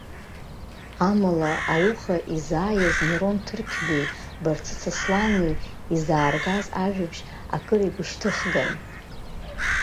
Амала ауха изааиз Мирон Ҭырқьбеи Барцыц Аслани изааргаз ажәабжь акыр игәышьҭыхган.